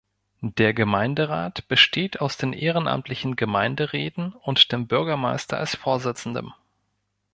Der Gemeinderat besteht aus den ehrenamtlichen Gemeinderäten und dem Bürgermeister als Vorsitzendem.